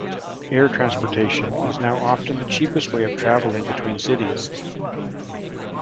Air transportation is now often the cheapest way of travelling between cities.